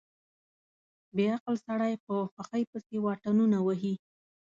بې عقل سړی په خوښۍ پسې واټنونه وهي.